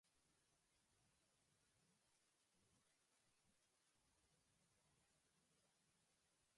He is interred in Calvary Cemetery, near Churchville.